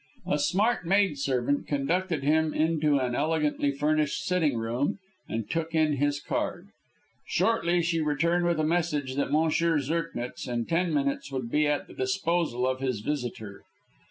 A smart maid servant conducted him into an elegantly furnished sitting room, and took in his card. Shortly she returned with a message that M. Zirknitz in ten minutes would be at the disposal of his visitor.